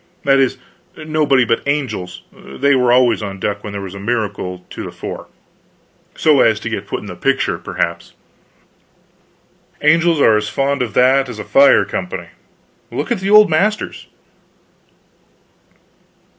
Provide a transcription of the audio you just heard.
That is, nobody but angels; they are always on deck when there is a miracle to the fore so as to get put in the picture, perhaps. Angels are as fond of that as a fire company; look at the old masters.